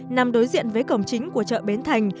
nằm đối diện với cổng chính của chợ bến thành